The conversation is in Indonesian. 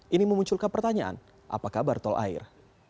ini memunculkan pertanyaan apa kabar tol air